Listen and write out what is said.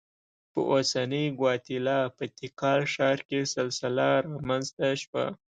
په اوسنۍ ګواتیلا په تیکال ښار کې سلسله رامنځته شوه.